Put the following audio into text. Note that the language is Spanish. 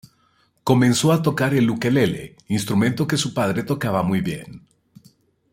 Comenzó a tocar el ukelele, instrumento que su padre tocaba muy bien.